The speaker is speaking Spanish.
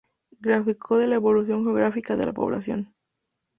Gráfico de la evolución geográfica de la población.